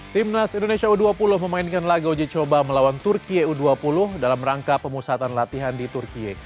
timnas indonesia u dua puluh memainkan lagu uji coba melawan turki u dua puluh dalam rangka pemusatan latihan di turkiye